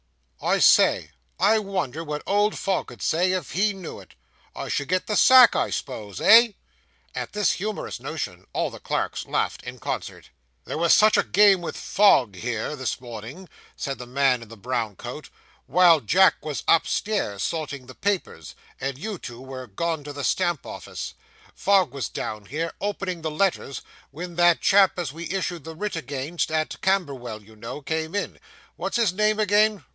I say, I wonder what old Fogg 'ud say, if he knew it. I should get the sack, I s'pose eh?' At this humorous notion, all the clerks laughed in concert. 'There was such a game with Fogg here, this mornin',' said the man in the brown coat, 'while Jack was upstairs sorting the papers, and you two were gone to the stamp office. Fogg was down here, opening the letters when that chap as we issued the writ against at Camberwell, you know, came in what's his name again?